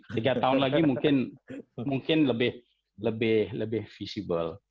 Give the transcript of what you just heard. tiga tahun lagi mungkin lebih visible